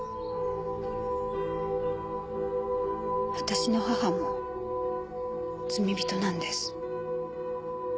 私の母も罪人なんです。